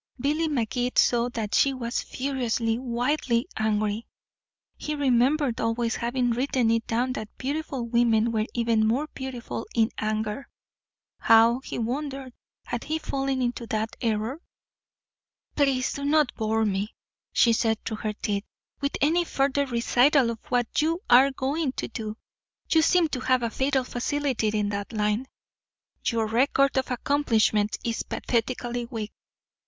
Billy Magee saw that she was furiously, wildly angry. He remembered always having written it down that beautiful women were even more beautiful in anger. How, he wondered, had he fallen into that error? "Please do not bore me," she said through her teeth, "with any further recital of what you 'are going' to do. You seem to have a fatal facility in that line. Your record of accomplishment is pathetically weak.